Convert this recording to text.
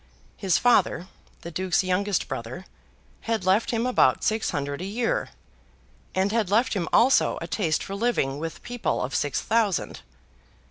His father, the Duke's youngest brother, had left him about six hundred a year, and had left him also a taste for living with people of six thousand.